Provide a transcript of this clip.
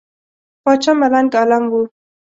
پاچا ملنګ عالم وو.